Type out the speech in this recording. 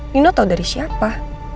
nino tau dari siapa